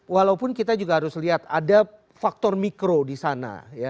walaupun kita juga harus lihat ada faktor mikro di sana